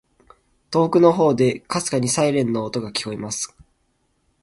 •遠くの方で、微かにサイレンの音が聞こえます。